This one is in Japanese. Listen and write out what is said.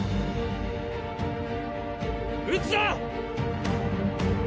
撃つぞ！